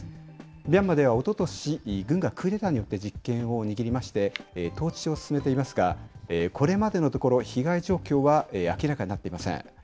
ミャンマーではおととし、軍がクーデターによって実権を握りまして、統治を進めていますが、これまでのところ、被害状況は明らかになっていません。